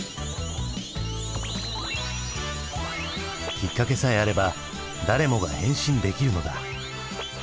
きっかけさえあれば誰もが変身できるのだ。